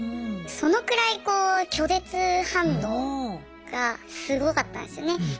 そのくらいこう拒絶反応がすごかったんですよね。